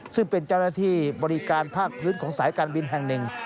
ซึ่งเป็นเจ้าหน้าที่บริการภาคพื้นของสายการบินแห่งหนึ่ง